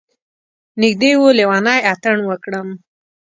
نږدې و لیونی اتڼ وکړم.